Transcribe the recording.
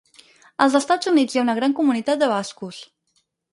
Als Estats Units hi ha una gran comunitat de bascos.